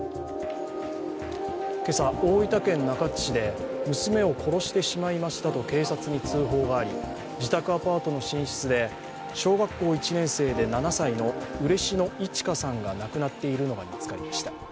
今朝、大分県中津市で娘を殺してしまいましたと警察に通報があり、自宅アパートの寝室で小学校１年生で７歳の嬉野いち花さんが亡くなっているのが見つかりました。